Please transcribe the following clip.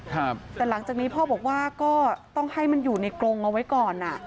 แต่หลังจากนี้พ่อบอกว่าก็ต้องให้มันอยู่ในกรงเอาไว้ก่อนอ่ะ